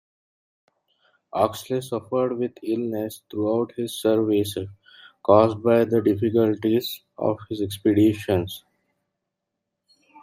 Oxley suffered with illness throughout his service, caused by the difficulties of his expeditions.